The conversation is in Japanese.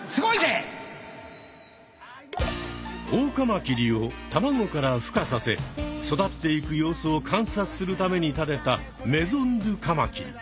オオカマキリを卵からふかさせ育っていく様子を観察するために建てたメゾン・ドゥ・カマキリ。